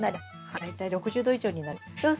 大体６０℃以上になります。